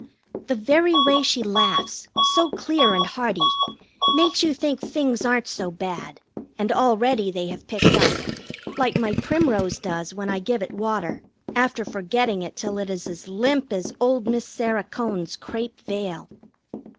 The very way she laughs so clear and hearty makes you think things aren't so bad, and already they have picked up. Like my primrose does when I give it water, after forgetting it till it is as limp as old Miss Sarah Cone's crêpe veil.